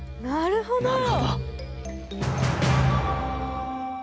なるほど。